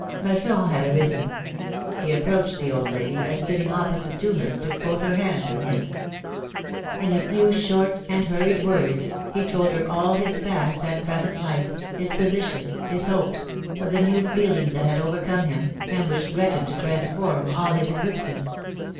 Masson had arisen. He approached the old lady, and sitting opposite to her, took both her hands in his. In a few short and hurried words, he told her all his past and present life, his position, his hopes, of the new feeling that had overcome him, and which threatened to transform all his existence.